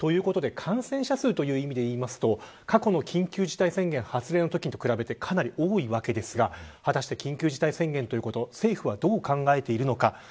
感染者数という意味で言うと過去の緊急事態宣言発令のときと比べて、かなり多いわけですが果たして緊急事態宣言ということ政府はどう考えているのか。